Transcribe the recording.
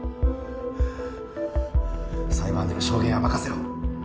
裁判での証言は任せろ。